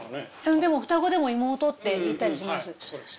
でも双子でも妹っていったりします。